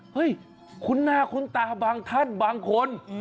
เฮ้ยคุณหน้าคุณตาบางท่านบางคน